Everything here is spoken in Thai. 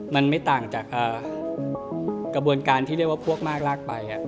มันไม่ต่างจากกระบวนการที่เรียกว่าพวกมากลากไป